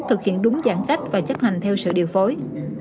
thực hiện đúng giãn cách và chấp hành theo sự điều phối